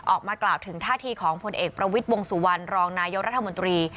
ออกมากล่าวถึงท่าทีของผลเอกประวิทย์วงสุวรรณรองนายกรัฐมนตรี